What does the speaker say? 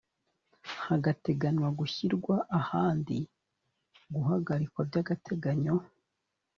hateganywa gushyirwa ahandi guhagarikwa by’agateganyo